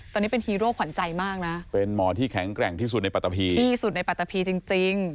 ตอนนี้เป็นฮีโร่ขวัญใจมากนะเป็นหมอที่แข็งแกร่งที่สุดในปัตตะพีที่สุดในปัตตะพีจริงจริง